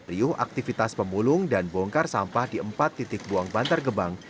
riuh aktivitas pemulung dan bongkar sampah di empat titik buang bantar gebang